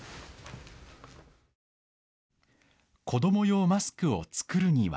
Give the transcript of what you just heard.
子ども用マスクを作るには。